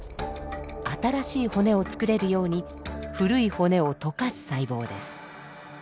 新しい骨を作れるように古い骨を溶かす細胞です。